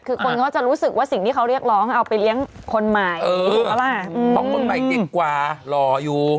คือคนเขาจะรู้สึกว่าสิ่งที่เขาเรียกร้องเอาไปเลี้ยงคนใหม่ถูกไหมล่ะเพราะคนใหม่เด็กกว่าหล่ออยู่